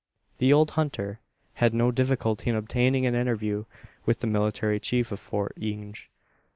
The old hunter had no difficulty in obtaining an interview with the military chief of Fort Inge.